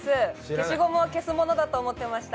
消しゴムは消すものだと思ってました。